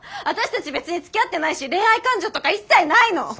私たち別につきあってないし恋愛感情とか一切ないの！